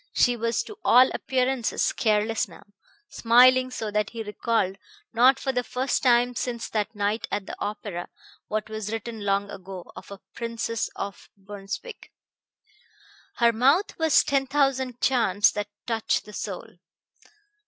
She was to all appearances careless now, smiling so that he recalled, not for the first time since that night at the opera, what was written long ago of a Princess of Brunswick: "Her mouth has ten thousand charms that touch the soul."